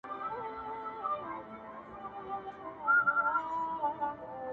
لار چي کله سي غلطه له سړیو؛